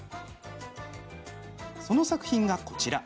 その作品がこちら。